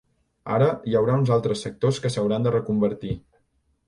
Ara, hi haurà uns altres sectors que s’hauran de reconvertir.